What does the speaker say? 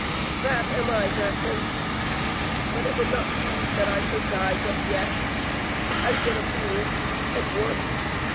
That am I, Jacynth, but it would not be meet that I should die just yet. I've been a fool and worse.